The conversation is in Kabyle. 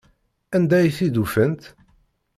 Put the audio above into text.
Anda ay t-id-ufant?